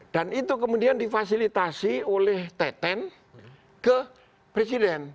dan itu kemudian difasilitasi oleh t sepuluh ke presiden